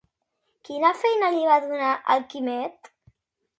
Quina feina li va donar al Quimet?